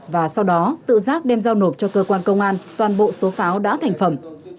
và sau đó tự giác đem giao nộp cho cơ quan công an toàn bộ số pháo đã thành phẩm